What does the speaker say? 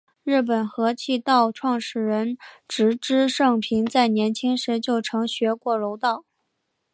日本合气道创始人植芝盛平在年轻时就曾学过柔道。